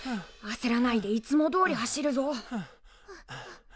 あせらないでいつもどおり走るぞ。